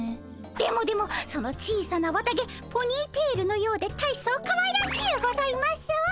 でもでもその小さな綿毛ポニーテールのようで大層かわいらしゅうございます。